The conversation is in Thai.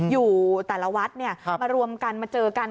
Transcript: อยู่แต่ละวัดมารวมกันมาเจอกัน